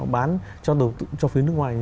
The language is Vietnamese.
bán cho phía nước ngoài